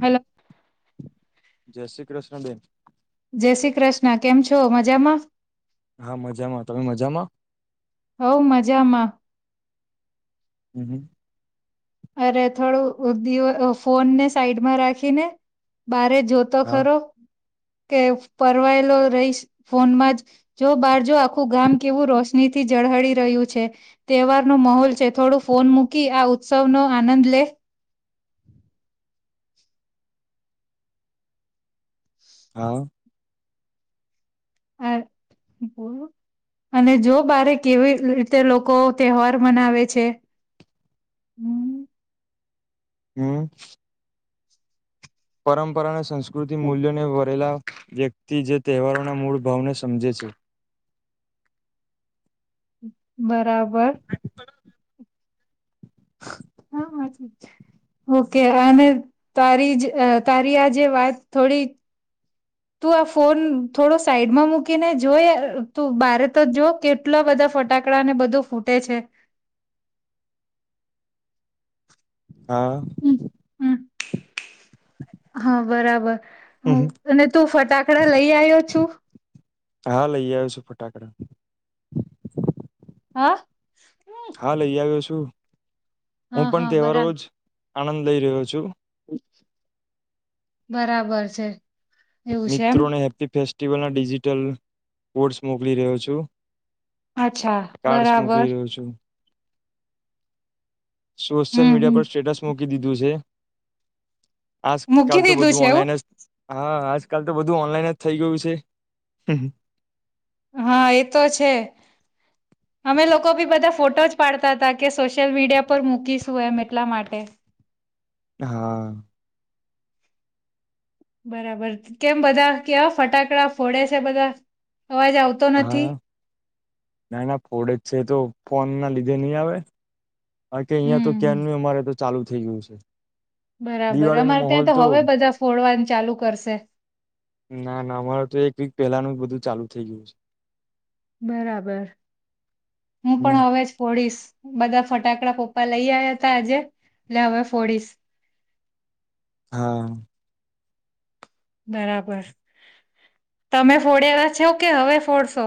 Hello જય શ્રી કૃષ્ણ બેન જય શ્રી કૃષ્ણ કેમ છો? મજામા હા મજામાં તમે મજામાં? હવ મજામા હુ, હુ અરે થોડું, દ ફોનને સાઈડમાં રાખીને બારે જ જોતો હા ખરો કે ફરવાયેલો રહીશ ફોનમા, જ જો બાર જો આખું ગામ કેવું રોશનીથી ઝળહળી રહ્યું છે, તહેવાર નો માહોલ છે થોડું ફોન મૂકી આ ઉત્સવ નો આનંદ લે હા [unintelligible] [inaudible] બોલો અને જો બારે કેવી રીતે લોકો તહેવાર મનાવે છે. હું હું પરંપરા અને સંસ્કૃતિ મૂલ્યોને વરેલા વ્યક્તિ જે તહેવારોના મૂળ ભાવને સમજે છે. બરાબર [unintelligible] [inaudible] હા વા છે. ઓકે અને તારી, જ તારી આ જે વાત થોડી તું આ ફોન થોડો સાઈડમા મૂકીને જોય, તું બારે તો જો કેટલા બધા ફટાકડા ને બધું ફૂટે છે. [unintelligible] [inaudible] હા હમ, હમ. હા, બરાબર હ! હમ અને તું ફટાકડા લઈ આવ્યો છું. હા લઈ આવ છુ, ફટાકડા હા હા, લઈ આવ્યો છુ, હું હા પણ હા તહેવારો બરાબર જ આનંદ લઈ રહ્યો છુ. બરાબર છે. એવું છે એમ મિત્રોને હેપી, ફેસ્ટિવલના ડિજિટલ કોર્ડ્સ મોકલી રહ્યો છું. અચ્છા કાર્ડસ બરાબર મોકલી રહ્યો છું. સોશિયલ, હમ મીડિયા હમ પર સ્ટેટસ મૂકી દીધું છે. આજ મૂકી કાલ તો દીધું બધું છે એવું ઓનલાઈન જ હા, આજ કાલ તો બધું ઓનલાઈન જ થઈ ગયું છે. હા, એતો છે. [unintelligible] [inaudible] અમે લોકો ભી બધા ફોટો જ પાડતા હતા, કે સોશિયલ મીડિયા પર મૂકીશું એમ એટલા માટે હા બરાબર કેમ બધા કે ફટાકડા ફોડે છે. બધા અવાજ આવતો હા, નથી ના ના ફોડે જ છે, તો ફોન ના લીધે નહી, આવે કાર કે અહીિયાયા તો હમ હમ. કે્યા ન અમારે તો ચાલુ થઈ ગયુ છે. બરાબર, દિવાળી ન અમારે ત્યા માહોલ તો હવે બધા ફોડવાનું ચાલુ કરશે ના ના અમારે તો એક વીક પહેલાનું બધું ચાલુ, થઇ ગયુ છે. બરાબર હુ, હમ પણ હવે જ ફોડીશ બધા ફટાકડા પપ્પા લઈ આવ્યા હતા આજે એટલે હવે, ફોડીશ હા બરાબર તમે ફોડ્યાલા છો, કે હવે ફોડશો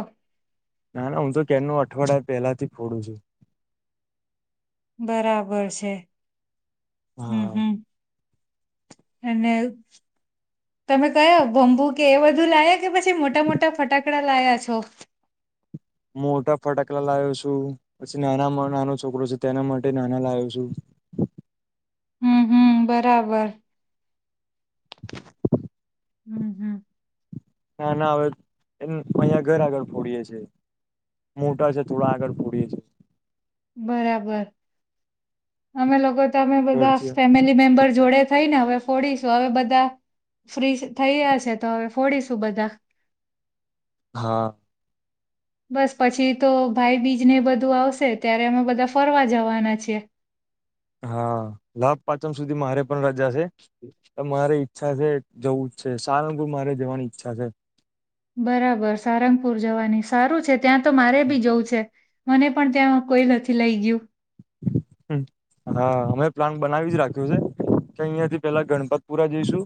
ના ના હું તો કે નો અઠવાડિયા પહેલાથી ફોડું છું બરાબર છે હમ્મ હા હમ્મ અને તમે કયો બોમબુ કે એ બધું લાયા કે પછી મોટા મોટા ફટાકડા લાયા છો મોટા ફટાકડા લાવ્યો છું પછી નાના નાનો છોકરો છે તેના માટે નાના લાયો છું હ હમ્મ હમ્મ બરાબર હમ્મ હમ્મ ના ના હવે, એ અહ ઘર આગળ ફોડીયે છે. મોટા છે, થોડા આગળ ફોડીએીએ બરાબર અમે લગત, અમે બધા ઘરથી ફેમિલી મેમ્બર જોડે થઈને હવે, ફોડીશું હવે બધા ફ્રી થઈયા છે, તો હવે ફોડીશું બધા હા બસ પછી તો ભાઈ બીજને બધુ, આવશે ત્યારે અમે બધા ફરવા જવાના છીએ હા, લાભ પાચમ સુધી મારે પણ રજા છે. મારે ચ્છા છે, જવું જ છે. સારભુ મારે જવાની ઈચ્છા છે બરાબર સારંગપુર જવાની સારુ છે. ત્યાં તો મારે બી જવું છે, મને પણ ત્યા કોઈ નથી લઈ ગયું હા અમે પ્લાન બનાવી જ રાખ્યું છે અહંયા થી પેલા ગણપતપુરા જઈશુ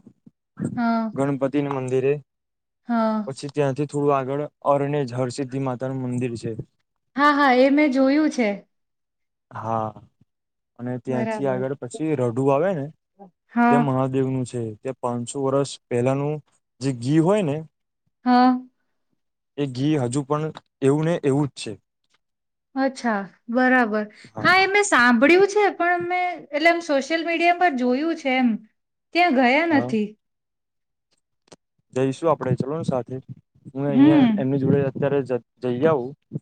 હા ગણપતિ ના મંદિરે હા પછી ત્યાંથી થોડું આગળ ઓરનેજ હરસિદ્ધિ માતા નું મંદિર છે હા હા એ મેં જોયું છે હા અને ત્યાંથી બરાબર આગળ પછી રઠું આવે ને હા ત્યાં મહાદેવનું છે પાંચસો વર્ષ પહેલાનું જે ઘી હોય ને હા એ ઘી હજુ પણ એવું ને એવું જ છે અચ્છા બરાબર હા એમે સાંભળ્યું છે પણ એટલે એમ સોશિયલ મીડિયા પર જોયું છે એમ ત્યાં ગયા હા નથી જઈશું આપડે ચલો ને સાથે હું હમ અહિયાં એમની જોડે અત્યારે જઈ આવું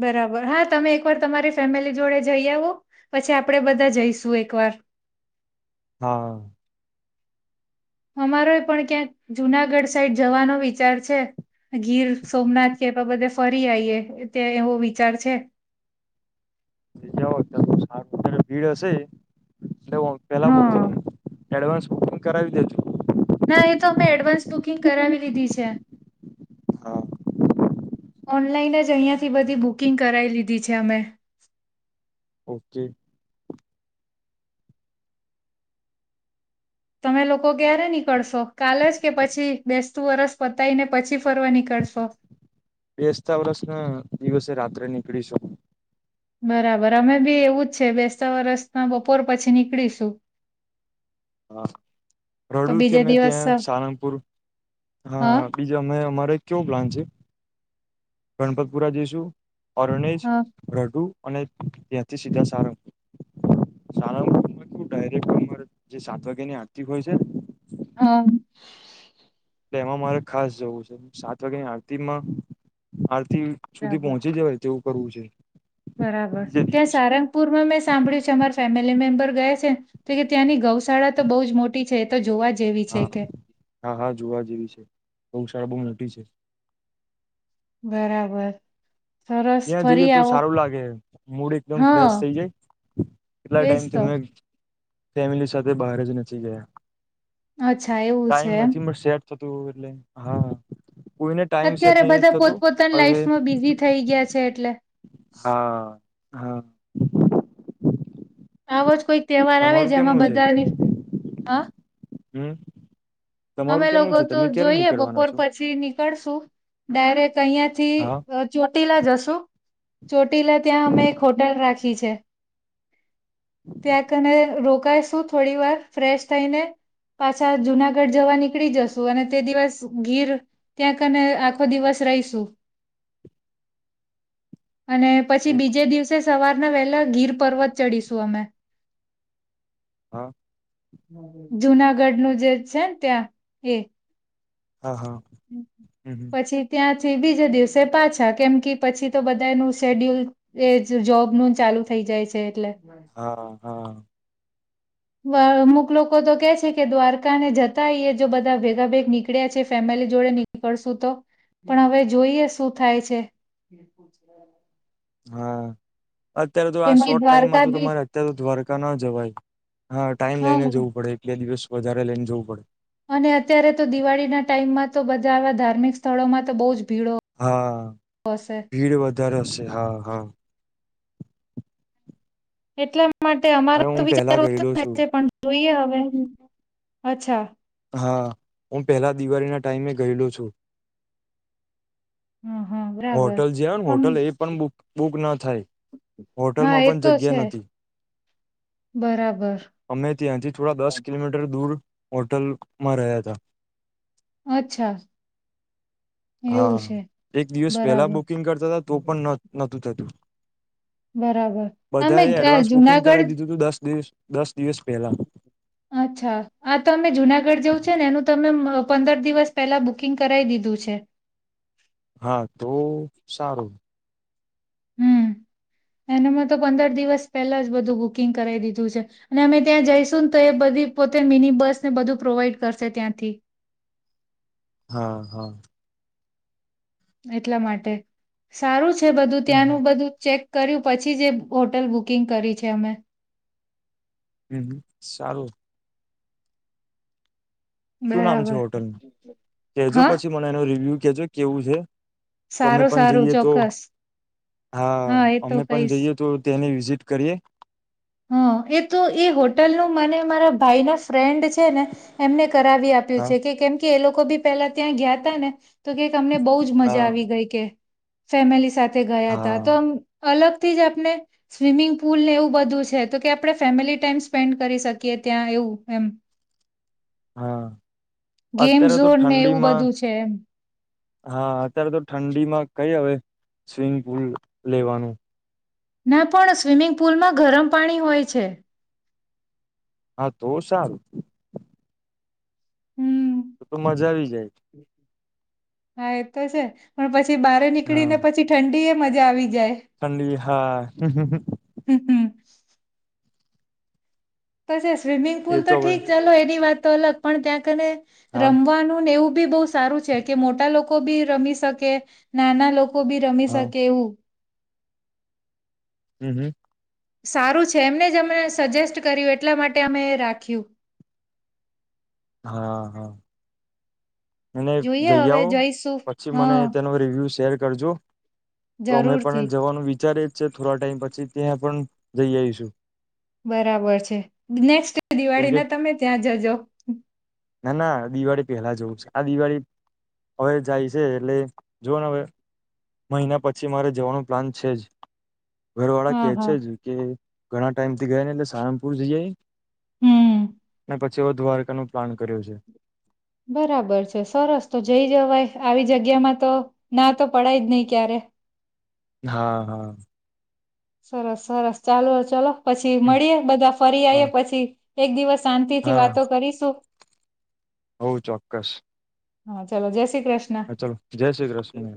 બરાબર હા તમે એકવાર તમારી ફેમિલી જોડે જઈ આવો પછી આપડે બધા જઈશું એકવાર હા અમારો પણ ક્યાંક જુનાગઢ સાઈડ જવાનો વિચાર છે ગીર સોમનાથ કે બધે ફરી આવીઈએ ત્યા એવો વિચાર છે ના [unintelligible] ભીડ હશે એટ પેલા હા બુકીંગ એડવાન્સ બુકિંગ કરાવી દેજો ના એ તો મે એડવાન્સ બુકિંગ કરાવી લીધી છે હા ઓનલાઈન જ અહીિયાયાથી બધી બુકિંગ કરાવી લીધી છે અમે ઓકે તમે લોકો ક્યારે નીકળશો કાલ જ કે પછી બેસતું વરસ પતાયને પછી ફરવા નીકળ નીકળશો બેસતા વર્સના દિવસે રાત્રે નીકળી શું બરાબર અમે બી એવું જ છે બેસતા વરસના બપોર પછી નીકળીશું હા તો રડું છે. બીજે અમે દિવસ ત્યાં સહલંગપુર હા બીજું અમે અમારે કેવો પ્લાન છે. ગણપતપુરા જીસુ ઓરણેજ હા રઢુ. અને ત્યાંથી સીધા સારું. શ ડરેક ઉર જે સાત વાગ્યા ની આતી હોય છે. હા. એટલે એમાં મારે ખાસ જોવું છે સાત વાગ્યાની આરતીમાં. સુધી બરાબર પહોંચી જવાય તેવું કરવું છે. બરાબર બીજા ત્યાં દિવસ. સારંગપુરમાં મેં સાંભળ્યું છે અમારી ફેમિલી મેમ્બર ગયા છે તો કે ત્યાંની ગૌશાળા તો બહ જ મોટી છે તો જોવા જ. હા હા હા જોવા જેવી છે બહુ સાળા બહુ નઠ છે. બરાબર સરસ ત્યાં જઈએ ફરી તો આવો સારું લાગે મૂડ એકદમ હા ફ્રેશ થઇ જાય કેટલા એજ ટાઈમ તો તમે ફેમિલી સાથે બહાર જ નથી ગયા અચ્છા એવું છે ટાઈમ એમ નથી [unintelligible] હા કોઈને ટાઈમ સેટ અત્યારે નહી બધા થતું પોતપોતાની હવે લાઈફમાં બિઝી થઈ ગયા છે એટલે હા હા આવો જ કોઈક તહેવાર આવે તમારું જેમાં કેમનું બધાની હ હમ્મ અમે લોકો તો જોઈએ બપોર છો પછી નીકળશું ડાયરેક્ટ અહિયાં થી હા ચોટીલા જશુ ચોટીલા ત્યાં અમે એક હોટલ રાખી છે. ત્યાંકને રોકાયશું થોડી વાર ફ્રેશ થઈને પાછા જુનાગઢ જવા નીકળી જશુ અને તે દિવસ ગીર ત્યાંકને આખો દિવસ રહીશું. [unintelligible] અને પછી એ બીજે દિવસે સવારના વહેલા ગીર પર્વત ચડીશું અમે હા. જુનાગઢ નું જે છે ને ત્યાં એ હા હા હમ હમ પછી ત્યાં બીજા દિવસે પાછા કેમ કે પછી તો બધાનું શેડ્યુલ એ જ જોબનું ચાલુ થઈ. જાય છે એટલે હા હા. અમુક લોકો તો કે છે કે દ્વારકાને જતા જો બધા ભેગા ભેગ નીકળ્યા છે ફેમિલી લી જોડે નીકળશું તો પણ હવે જોઈએ શું થાય છે. [unintelligible] હા અત્યારે તો આ કેમ કે શોર્ટ ટાઈમમાં દ્વારકા તો બી તમારે અત્યારે તો દ્વારકા ન જવાય હા ટાઈમ હ લઈને જવું પડે એક બે દિવસ વધારે લઈને જવું પડે અને અત્યારે તો દિવાળી ના ટાઈમમાં તો બધા આવા ધાર્મિક સ્થળોમાં તો બહુ જ. ભીડો હા હશે ભીડ વધારે છે હા હા. એટલા માટે અમારો અને તો હું પેલા વિચાર ઓછો ગયેલો થાય છું છે. પણ જોઈએ હવે, અચ્છા હા હું પહેલા દિવાળીના ટાઈમે ગયેલું છું. હું. હોટલ જે હોય ને હોટલ એ પણ બુક ના થાય. હા હોટલમાં એ પણ તો જગ્યા છે નથી. બરાબર અમે ત્યાંથી થોડા દસ કિલોમીટર દૂર. હોટલમાં રહ્યા હતા. અચ્છા એવું હા છે એક દિવસ પેલા બરાબર બુકિંગ કરતા હતા તો પણ નોતું થતું. બરાબર તમે બધાએ અ, એડવાન્સ બુકિંગ જુનાગઢ કરાવી દીધું, હતું દસ દિવસ દસ દિવસ પહેલા અચ્છા આ તમે જુનાગઢ જવું છે, ને એનું તમે પંદર દિવસ પહેલા બુકિંગ કરાવ દીધું છે, હા તો સારું હમ્મ એનેમાં તો પંદર દિવસ પહેલા જ બધું બુકિંગ કરાવ દીધું છે, અને અમે ત્યાં જઈશું ને તો એ બધી પોતે મિની બસ ને બધું પ્રોવાઈડ કરશે, ત્યાંથી હા, હા. એટલા માટે સારું છે, બધું હમ હમ ત્યાંનું બધું ચેક કર્યું પછી જે હોટલ બુકિંગ કરી છે, અમે હું સારું, શું નામ છે, બરાબર હોટેલનું કેજો હા પછી મને એનો રિવ્યુ કેજો કેવું છે. અમે સારું પણ સારું જઈએ તો ચોક્કસ હા એ તો અમે પણ કહીશ જઈએ તો તેને વિઝિટ કરીએ. હા એ તો એ હોટલ નું મને મારા ભાઈ ના ફ્રેન્ડ છે, ને એમને કરાવી આપ્યું હા છે, કે કેમ કે એ લોકો બી પેલા ત્યાં ગયાતા ને તો કેક અમને બહુ જ હા મજા આવી ગઈ કે ફેમિલી સાથે ગયા તા હા તો આમ અલગ. થી જ આપણે સ્વિમિંગ પુલ ને એવું બધું છે તો કે આપણે ફેમિલી ટાઈમ સ્પેન્ડ કરી શકીએ, ત્યાં એવું એમ હા ગેમ અત્યારે તો ઝોન ને એવું ઠંડીમાં બધું છે એમ હા અત્યારે તો ઠંડીમાં કઈ હવે સ્વિમિંગ પુલ લેવાનું, ના પણ સ્વિમિંગ પુલમાં ગરમ પાણી હોય છે, હા તો સારું. હમ તો તો મજા આવી જાય. હા એ તો છે, પણ પછી બહાર નીકળી હા ને પછી ઠંડી એ મજા આવી. જાય ઠંડી હાય. હમ [inaudible] પછી સ્વિમિંગ એ પુલ તો હવે ઠીક ચાલ એની વાત તો અલગ પણ ત્યાં કણે હા રમવાનું ને એવું. ભી બોવ સારું છે, કે મોટા લોકો ભી રમી શકે નાના લોકો કો ભી રમી હા શકે એવું. હમ્મ હમ્મ સારું છે, એમને જ અને સજેસ્ટ કર્યું એટલા માટે અમે એ રાખ્યું. હા, હા. અને જોઈએ જઈ હવે આવો જઈશું પછી મને હા તેનો રિવ્યુ શેર કરજો તો અમે જરૂરથી પણ જવાનું વિચારી જ છે, થોડા ટાઈમ પછી ત્યાં પણ જઈ આઈશું. બરાબર છે, નેક્સ્ટ ડે કેમ દિવાળી કે ના તમે ત્યાં જજો. ના ના દિવાળી પેલા જવું છે. આ દિવાળી હવે જાય છે, એટલે જોઓ હવે મહિના પછી મારે જવાનું પ્લાન છે, જ ઘરવાળા હા કે છે. હા જ કે ઘણા ટાઈમ થી ગયા ને એટલે સારંગપુર જયાઈ. હમ્મ પછી ઓ દ્વારકાનો પ્લાન કર્યો છે. બરાબર છે સરસ તો જઈ જવાય આવી જગ્યામાં તો ના તો પડાય જ નહી ક્યારે હા હા સરસ સરસ ચાલો ચલો પછી મળીએે બધા ફરી હા આવીએ પછી એક દિવસ શાંતિથી વાતો કરીશું. હઉ ચોક્કસ હા ચલો જય શ્રી કૃષ્ણ્ હા ચલો જય શ્રી કૃષ્ણ